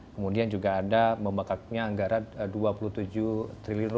kemudian juga ada membakarnya anggaran rp dua puluh tujuh triliun